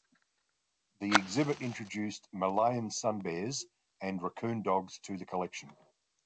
The exhibit introduced Malayan sun bears and raccoon dogs to the collection.